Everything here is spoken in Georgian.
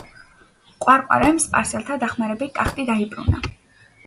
ყვარყვარემ სპარსელთა დახმარებით ტახტი დაიბრუნა.